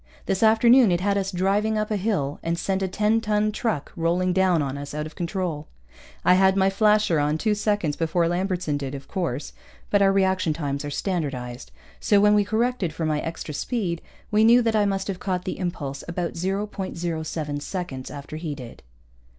This afternoon it had us driving up a hill, and sent a ten ton truck rolling down on us out of control. I had my flasher on two seconds before Lambertson did, of course, but our reaction times are standardized, so when we corrected for my extra speed, we knew that I must have caught the impulse about 0.07 seconds after he did.